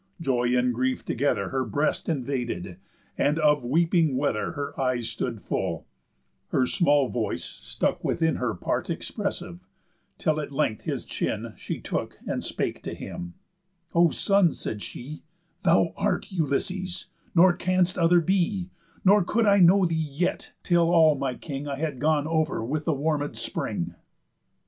Joy and grief together Her breast invaded; and of weeping weather Her eyes stood full; her small voice stuck within Her part expressive; till at length his chin She took and spake to him: "O son," said she, "Thou art Ulysses, nor canst other be; Nor could I know thee yet, till all my king I had gone over with the warméd spring."